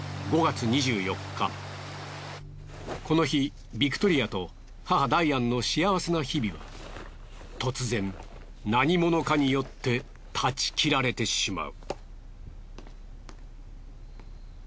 この日ビクトリアと母ダイアンの幸せな日々は突然何者かによって断ち切られてしまう。